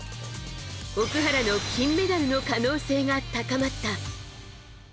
奥原の金メダルの可能性が高まった。